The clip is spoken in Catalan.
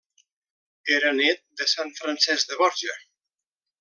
Era nét de Sant Francesc de Borja.